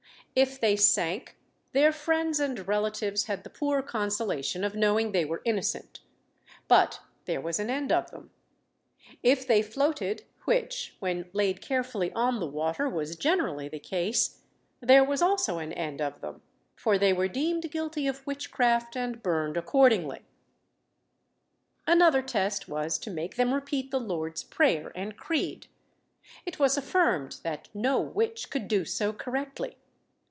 If they sank, their friends and relatives had the poor consolation of knowing they were innocent; but there was an end of them: if they floated, which, when laid carefully on the water, was generally the case, there was also an end of them; for they were deemed guilty of witchcraft, and burned accordingly. Another test was to make them repeat the Lord's prayer and creed. It was affirmed that no witch could do so correctly.